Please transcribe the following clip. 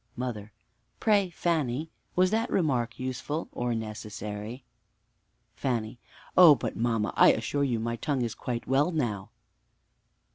Mother. Pray, Fanny, was that remark useful or necessary? Fanny. Oh, but mamma, I assure you, my tongue is quite well now.